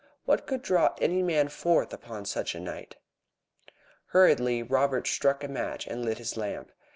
What could draw any man forth upon such a night? Hurriedly Robert struck a match and lit his lamp.